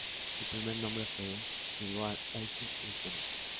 El primer nombre fue Billboard Easy Listening.